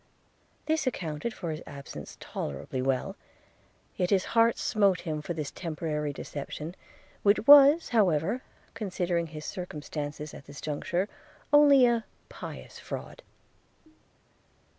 This accounted for his absence tolerably well; yet his heart smote him for this temporary deception, which was however, considering his circumstances at this juncture, only a pious fraud.